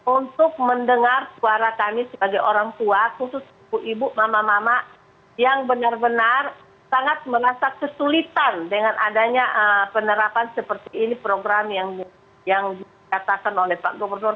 untuk mendengar suara kami sebagai orang tua khusus ibu ibu mama mama yang benar benar sangat merasa kesulitan dengan adanya penerapan seperti ini program yang dikatakan oleh pak gubernur